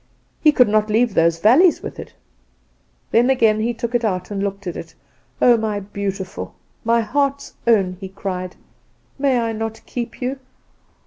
He could not leave those valleys with it. Then again he took it out and looked at it. "'Oh, my beautiful! my heart's own!' he cried, 'may I not keep you?